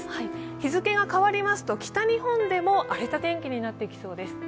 日付が変わりますと北日本でも荒れた天気になってきそうです。